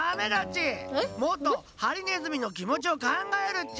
もっとハリネズミのきもちをかんがえるっち。